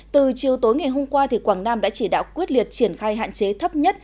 từ chiều tối ngày hôm qua quảng nam đã chỉ đạo quyết liệt triển khai hạn chế thấp nhất